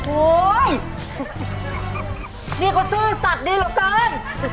โอ้ยนี่ก็ซื่อสัตว์ดีเหรอกัน